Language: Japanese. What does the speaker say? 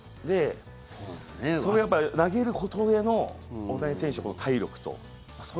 その投げることへの大谷選手の体力と。